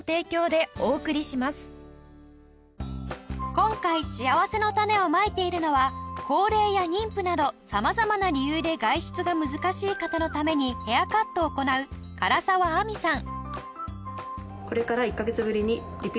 今回しあわせのたねをまいているのは高齢や妊婦など様々な理由で外出が難しい方のためにヘアカットを行う唐沢亜実さん